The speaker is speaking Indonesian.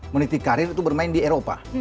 meniti karir itu bermain di eropa